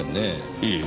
ええ。